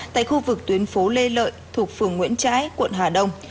tại khu vực tuyến phố lê lợi thuộc phường nguyễn trãi quận hà đông